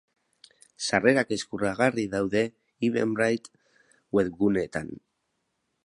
Sarrerak eskuragarri daude evenbrite webguneetan.